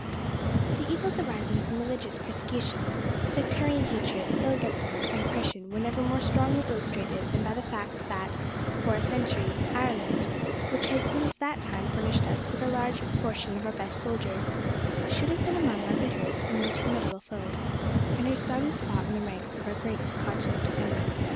The evils arising from religious persecution, sectarian hatred, ill government, and oppression were never more strongly illustrated than by the fact that, for a century, Ireland, which has since that time furnished us with a large proportion of our best soldiers, should have been among our bitterest and most formidable foes, and her sons fought in the ranks of our greatest continental enemy.